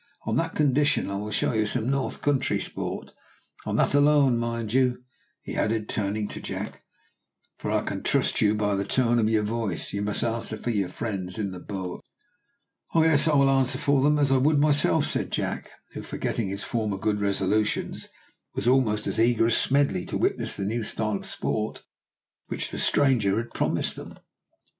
On that condition I will show you some north country sport on that alone, mind. You," he added, turning to Jack, "for I can trust you by the tone of your voice, must answer for your friends in the boat." "Oh, yes! I will answer for them as I would for myself," said Jack, who, forgetting his former good resolutions, was almost as eager as Smedley to witness the new style of sport which the stranger promised them.